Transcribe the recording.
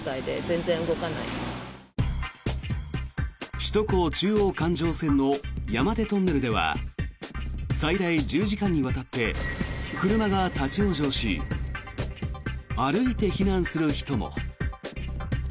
首都高中央環状線の山手トンネルでは最大１０時間にわたって車が立ち往生し歩いて避難する人も。